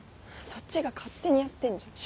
そっちが勝手にやってんじゃん。